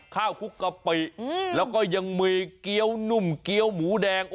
คลุกกะปิแล้วก็ยังมีเกี้ยวนุ่มเกี้ยวหมูแดง